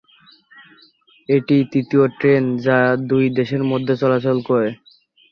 এটিই তৃতীয় ট্রেন যা এই দুই দেশের মধ্যে চলাচল করে।